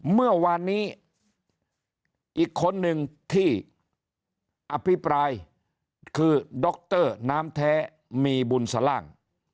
เมื่อวานนี้อีกคนหนึ่งที่อภิปรายคือดรน้ำแท้มีบุญสล่าง